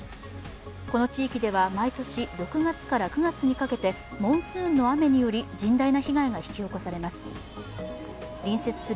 この地域では毎年６月から９月にかけてモンスーンの雨により甚大な被害が引き起こされます。